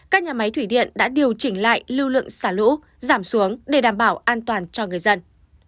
các nhà máy thủy điện đã điều chỉnh lại lưu lượng xả lũ giảm xuống để đảm bảo an toàn cho người dân